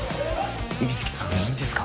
水樹さんいいんですか？